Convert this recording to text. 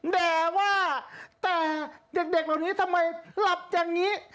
แต่ว่าแต่เด็กเหล่านี้ทำไมหลับอย่างนี้